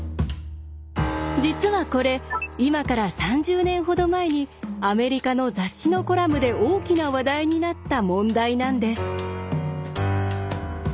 実はこれ今から３０年ほど前にアメリカの雑誌のコラムで大きな話題になった問題なんです。